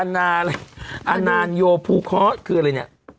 นาอะไรอนานโยภูเคาะคืออะไรเนี่ย